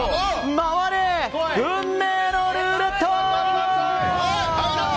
回れ、運命のルーレット！